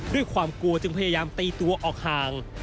ด้วยความกลัวจึงพยายามตีตัวออกห่าง